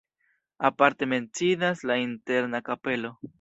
Aparte menciindas la interna kapelo.